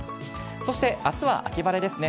そしてあすは秋晴れですね。